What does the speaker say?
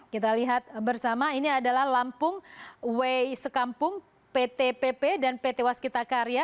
kita lihat bersama ini adalah lampung wsekampung pt pp dan pt waskitakarya